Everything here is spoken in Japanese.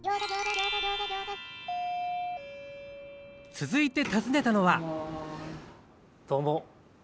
続いて訪ねたのはどうも。